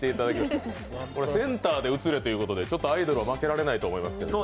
「センターで写れ！」ということでアイドルは負けられないですね。